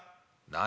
「何？